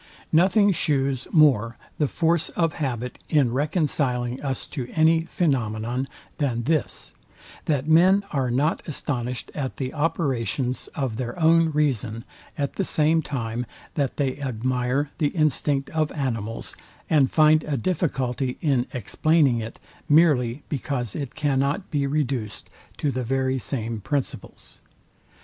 Nothing shews more the force of habit in reconciling us to any phaenomenoun, than this, that men are not astonished at the operations of their own reason, at the same time, that they admire the instinct of animals, and find a difficulty in explaining it, merely because it cannot be reduced to the very same principles.